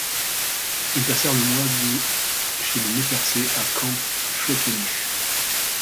Ils passèrent le mois de chez les Nez-Percés à Camp Choppunish.